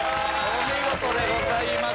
お見事でございます